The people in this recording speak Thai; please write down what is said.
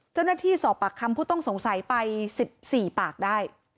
เจ้าหน้าที่สอบปากคำผู้ต้องสงสัยไป๑๔ปากได้